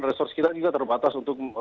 resource kita juga terbatas untuk